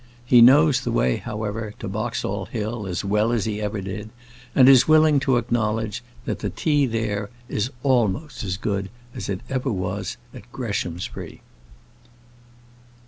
He knows the way, however, to Boxall Hill as well as he ever did, and is willing to acknowledge, that the tea there is almost as good as it ever was at Greshamsbury.